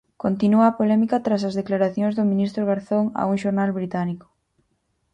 Continúa a polémica tras as declaracións do ministro Garzón a un xornal británico.